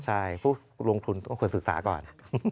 ใช่ผู้ลงทุนต้องควรศึกษาก่อน